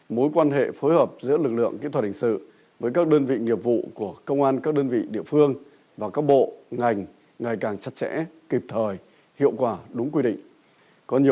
mối quan hệ phối hợp giữa lực lượng kỹ thuật hình sự với các đơn vị nghiệp vụ của công an các đơn vị địa phương và các bộ ngành ngày càng chặt chẽ kịp thời hiệu quả đúng quy định